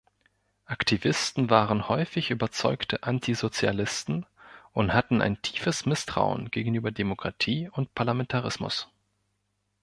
Aktivisten waren häufig überzeugte Antisozialisten und hatten ein tiefes Misstrauen gegenüber Demokratie und Parlamentarismus.